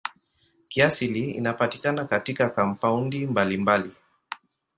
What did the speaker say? Kiasili inapatikana katika kampaundi mbalimbali.